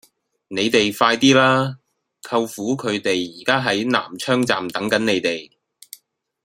你哋快啲啦!舅父佢哋而家喺南昌站等緊你哋